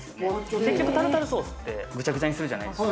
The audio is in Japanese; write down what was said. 結局、タルタルソースってぐちゃぐちゃにするじゃないですか。